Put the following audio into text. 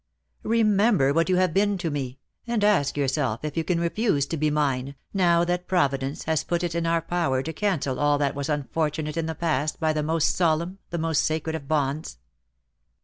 Re member what you have been to me, and ask your self if you can refuse to be mine, now that Pro vidence has put it in our power to cancel all that was unfortunate in the past by the most solemn, the most sacred of bonds.